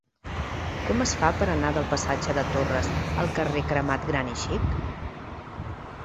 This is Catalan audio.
Com es fa per anar del passatge de Torres al carrer Cremat Gran i Xic?